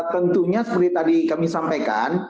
tentunya seperti tadi kami sampaikan